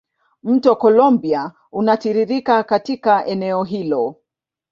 Mto Columbia unatiririka katika eneo hilo.